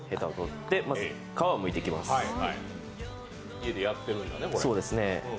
家でやってるんだね、これ。